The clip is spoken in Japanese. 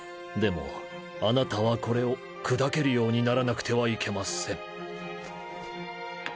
でもあなたはこれを砕けるようにならなくてはいけません